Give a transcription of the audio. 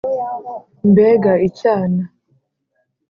mbega icyana